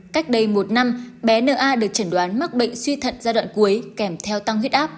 cách đây một năm bé n a được chẩn đoán mắc bệnh suy thận gia đoạn cuối kèm theo tăng huyết áp